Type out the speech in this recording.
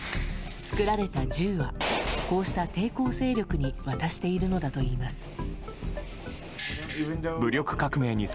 作られた銃はこうした抵抗勢力に渡しているのだといいます。